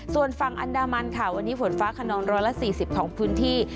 ส่วนฝั่งอันดามันค่ะวันนี้ฝนฟ้าขนอง๑๔๐ของพื้นที่